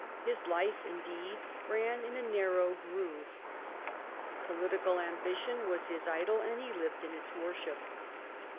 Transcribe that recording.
His life, indeed, ran in a narrow groove. Political ambition was his idol, and he lived in its worship.